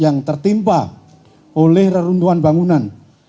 yang tertimpa oleh reruntuhan bangunan